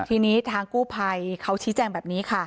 ทีนี้ทางกู้ภัยเขาชี้แจงแบบนี้ค่ะ